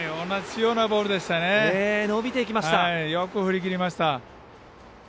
よく振りきりました。